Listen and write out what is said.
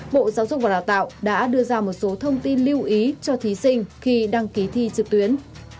bộ giáo dục và đào tạo đã đưa ra một số thông tin lưu ý cho thí sinh khi đăng ký thi trực tuyến